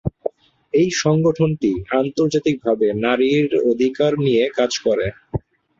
এই সংগঠনটি আন্তর্জাতিকভাবে নারীর অধিকার নিয়ে কাজ করে।